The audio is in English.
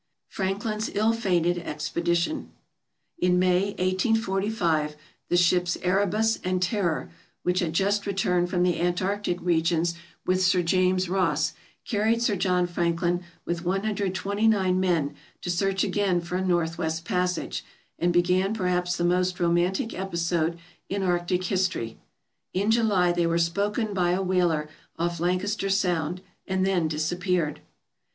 Franklin's Ill fated Expedition In May, 1845, tne ships "Erebus" and "Terror," which had just returned from the antarctic regions with Sir James Ross, carried Sir John Franklin with 129 men to search again for a northwest passage, and began perhaps the most romantic episode in arctic history. In July they were spoken by a whaler off Lancaster Sound, and then disappeared.